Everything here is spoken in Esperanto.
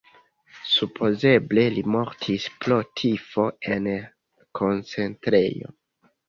Supozeble li mortis pro tifo en koncentrejo.